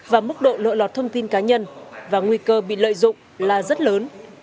và mức độ lộ lọt thông tin cá nhân và nguy cơ bị lợi dụng là rất lớn